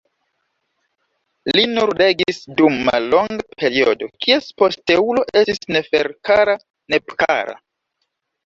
Li nur regis dum mallonga periodo, kies posteulo estis Neferkara-Nebkara.